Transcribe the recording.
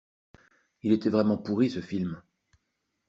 Il était vraiment pourri ce film.